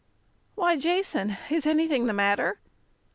"Why, Jason, is anything the matter?"